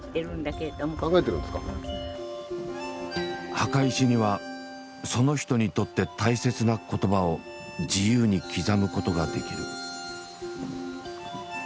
墓石にはその人にとって大切な言葉を自由に刻むことができる。